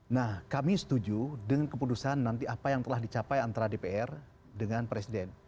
nah kami setuju dengan keputusan nanti apa yang telah dicapai antara dpr dengan presiden